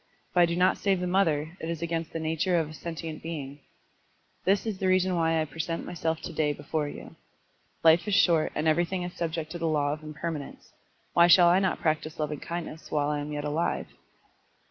If I do not save the mother, it is against the nature of a sentient being. This is the reason why I present myself to day before you. Life is short and everything is subject to the law of impermanence. Why shall I not practise lovingkindness while I am yet alive?"